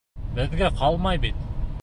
Беҙгә ҡалмай бит!